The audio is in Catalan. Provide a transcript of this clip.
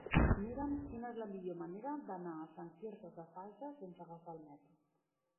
Mira'm quina és la millor manera d'anar a Sant Quirze Safaja sense agafar el metro.